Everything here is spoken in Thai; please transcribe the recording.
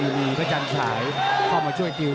อีวีประจังฉายเข้ามาช่วยคิว